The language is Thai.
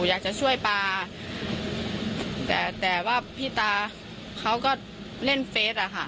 อยากจะช่วยปลาแต่แต่ว่าพี่ตาเขาก็เล่นเฟสอ่ะค่ะ